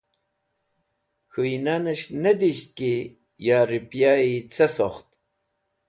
K̃hũynanes̃h ne disht ki ya ripyayi ce sokht?